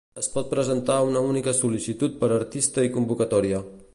Es pot presentar una única sol·licitud per artista i convocatòria.